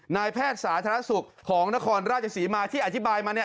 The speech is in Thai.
นายแพทย์สาธารณสุขของนครราชศรีมาที่อธิบายมาเนี่ย